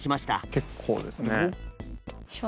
結構ですね。